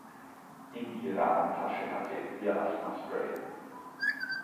In ihrer Handtasche hat sie ihr Asthmaspray.